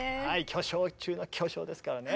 巨匠中の巨匠ですからね。